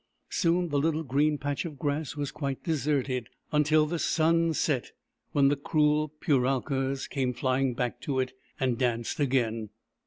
Soon the little green patch of grass was quite deserted ; until the sun set, when the cruel Puralkas came flying back to it and danced again.